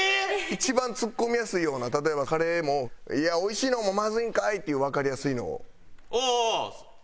一番ツッコみやすいような例えばカレーも「いやおいしいのもまずいんかい」っていう。